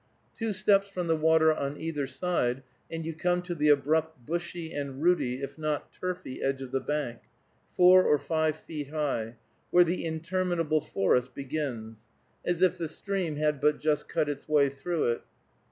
Two steps from the water on either side, and you come to the abrupt bushy and rooty if not turfy edge of the bank, four or five feet high, where the interminable forest begins, as if the stream had but just cut its way through it.